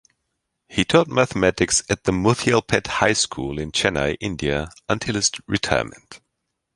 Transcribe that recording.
He taught mathematics at the Muthialpet High School in Chennai, India until his retirement.